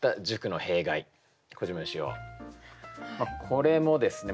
これもですね